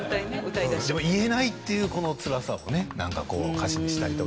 でも言えないっていうこのつらさをねなんかこう歌詞にしたりとか。